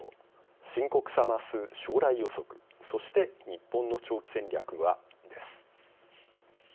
深刻さ増す将来予測そして日本の長期戦略はです。